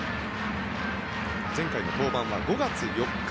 前回の登板は５月４日。